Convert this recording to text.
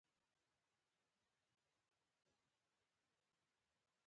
په هر کار کې د تر ټولو مهم د ښۀ نیت درلودل دي.